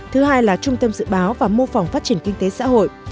thứ hai là trung tâm dự báo và mô phỏng phát triển kinh tế xã hội